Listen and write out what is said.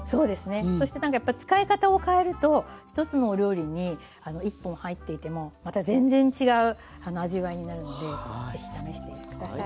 そしてなんかやっぱり使い方を変えると一つのお料理に１本入っていてもまた全然違う味わいになるので是非試して下さい。